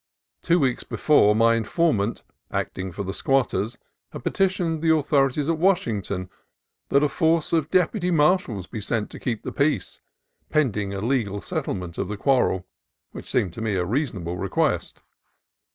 Two weeks before, my informant, acting for the squatters, had petitioned the authorities at Washington that a force of deputy marshals be sent to keep the peace, pending a legal settlement of the quarrel ; which seemed to me a rea sonable request.